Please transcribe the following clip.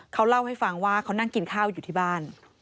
เขาเล่าให้ฟังว่าเขานั่งกินข้าวอยู่ที่บ้าน